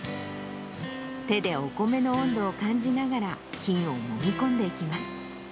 手でお米の温度を感じながら、菌をもみ込んでいきます。